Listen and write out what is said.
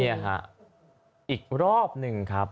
อีกรอบนึงครับ